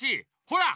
ほら！